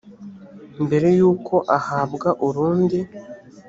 mbere y uko ahabwa urundi